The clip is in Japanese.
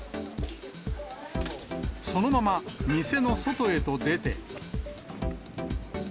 そのまま店の外へと出て。